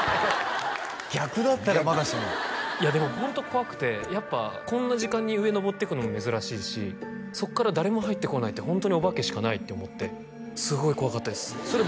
逆だったらまだしもいやでもホント怖くてやっぱこんな時間に上昇っていくのも珍しいしそっから誰も入ってこないってホントにお化けしかないって思ってすごい怖かったですそれ